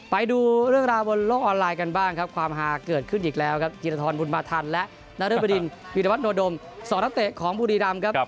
ไปดูเรื่องราวบนโลกออนไลน์กันบ้างครับความฮาเกิดขึ้นอีกแล้วครับจิรธรบุญมาทันและนรบดินวีรวัตโนดม๒นักเตะของบุรีรำครับ